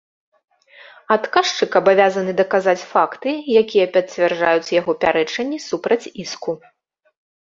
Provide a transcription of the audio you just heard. Адказчык абавязаны даказаць факты, якія пацвярджаюць яго пярэчанні супраць іску.